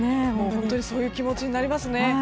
本当にそういう気持ちになりますね。